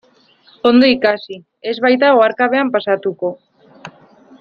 Ondo ikasi, ez baita oharkabean pasatuko.